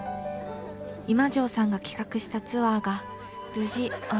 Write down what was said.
今城さんが企画したツアーが無事終わりました。